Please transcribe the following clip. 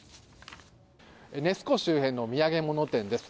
ネス湖周辺の土産物店です。